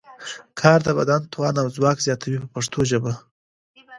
کار د بدن توان او ځواک زیاتوي په پښتو ژبه.